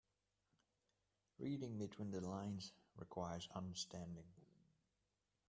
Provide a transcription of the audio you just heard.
Reading between the lines requires understanding.